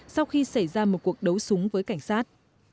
sau khi xảy ra một cuộc đấu súng với cảnh sát